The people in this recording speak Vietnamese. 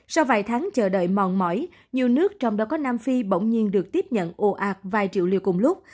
đáng chờ đợi mòn mỏi nhiều nước trong đó có nam phi bỗng nhiên được tiếp nhận ồ ạt vài triệu liều cùng lúc